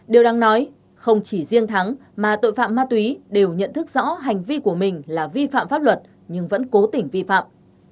điều đáng nói không chỉ riêng thắng mà tội phạm ma túy đều nhận thức rõ hành vi của mình là vi phạm pháp luật nhưng vẫn cố tỉnh vi phạm